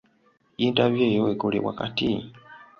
Yintaviyu eyo ekolebwa kati?